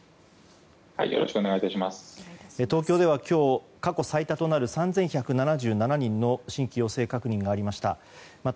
東京では今日過去最多となる３１７７人の新規陽性確認がありました。